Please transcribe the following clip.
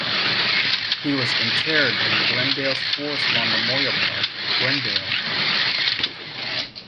He was interred in Glendale's Forest Lawn Memorial Park, Glendale.